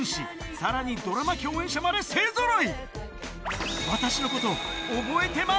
さらにドラマ共演者まで勢ぞろい！